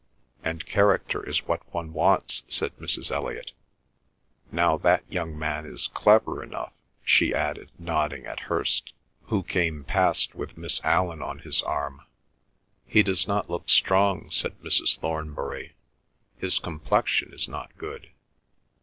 "And character is what one wants," said Mrs. Elliot. "Now that young man is clever enough," she added, nodding at Hirst, who came past with Miss Allan on his arm. "He does not look strong," said Mrs. Thornbury. "His complexion is not good.